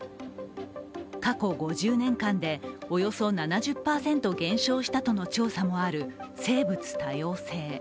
過去５０年間でおよそ７０％減少したとの調査もある生物多様性。